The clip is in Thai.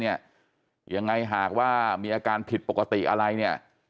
ยังไงหากว่ามีอาการผิดปกติอะไรเนี่ย